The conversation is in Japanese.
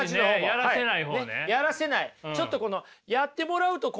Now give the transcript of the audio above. やらせない。